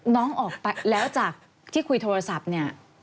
น้องออกไปแล้วจากที่คุยโทรศัพท์เนี่ย